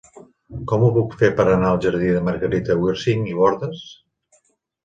Com ho puc fer per anar al jardí de Margarita Wirsing i Bordas?